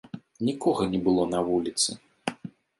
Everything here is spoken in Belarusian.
Нікога не было на вуліцы.